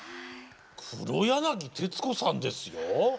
黒柳徹子さんですよ。